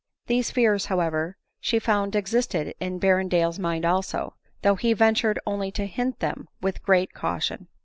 These fears, however, she found existed in Berrendale's mind also, r though he ventured only to hint them with great caution.